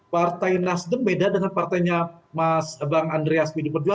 partai nasdem berbeda dengan partainya mas bang andreas com